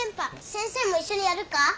先生も一緒にやるか？